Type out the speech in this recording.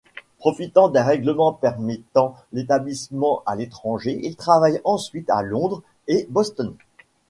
Profitant d'un règlement permettant l'établissement à l'étranger, il travaille ensuite à Londres et Boston.